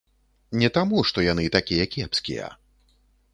Не таму, што яны такія кепскія.